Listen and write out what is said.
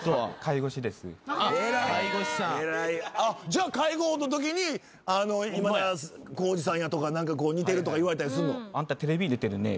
じゃあ介護のときに今田耕司さんやとか似てるとか言われたりすんの？